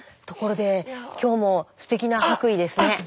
ところで今日もステキな白衣ですね。